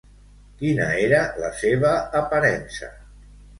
Quina era la seva aparença?